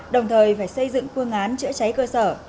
đồng thời phải xây dựng phương án chữa cháy cơ sở